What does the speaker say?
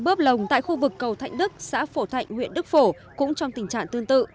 bơm lồng tại khu vực cầu thạnh đức xã phổ thạnh huyện đức phổ cũng trong tình trạng tương tự